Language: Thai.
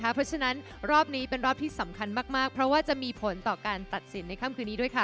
เพราะฉะนั้นรอบนี้เป็นรอบที่สำคัญมากเพราะว่าจะมีผลต่อการตัดสินในค่ำคืนนี้ด้วยค่ะ